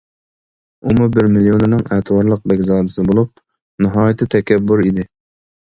ئۇمۇ بىر مىليونېرنىڭ ئەتىۋارلىق بەگزادىسى بولۇپ، ناھايىتى تەكەببۇر ئىدى.